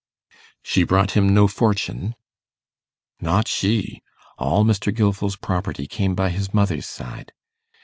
'She brought him no fortune?' 'Not she. All Mr. Gilfil's property come by his mother's side.